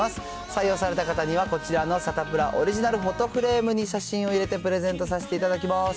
採用された方には、こちらのサタプラオリジナルフォトフレームに写真を入れてプレゼントさせていただきます。